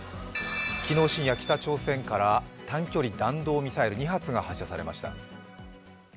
昨日深夜、北朝鮮から短距離弾道ミサイル２発が発射されました。